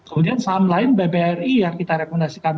kemudian saham lain bbri yang kita rekomendasikan